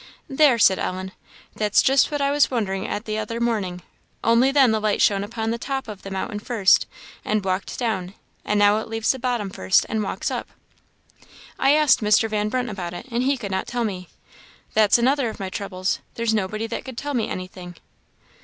"There," said Ellen, "that's just what I was wondering at the other morning; only then the light shone upon the top of the mountains first, and walked down, and now it leaves the bottom first and walks up. I asked Mr. Van Brunt about it, and he could not tell me. That's another of my troubles; there's nobody that can tell me anything."